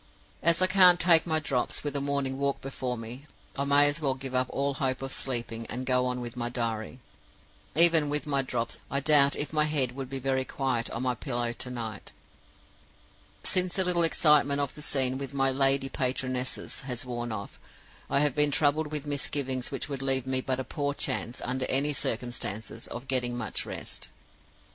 As I can't take my drops, with a morning walk before me, I may as well give up all hope of sleeping, and go on with my diary. Even with my drops, I doubt if my head would be very quiet on my pillow to night. Since the little excitement of the scene with my 'lady patronesses' has worn off, I have been troubled with misgivings which would leave me but a poor chance, under any circumstances, of getting much rest.